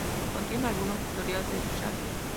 Contiene algunos tutoriales de Skate.